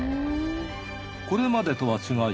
これまでとは違い